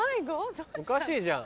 おかしいじゃん。